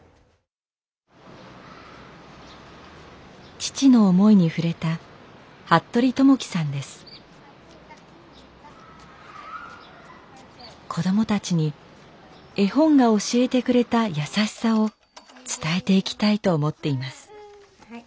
父の思いに触れた子どもたちに絵本が教えてくれたやさしさを伝えていきたいと思っています。